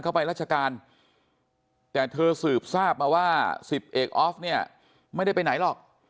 ไปราชการแต่เธอสืบทราบมาว่าสิบเอกออฟเนี่ยไม่ได้ไปไหนหรอก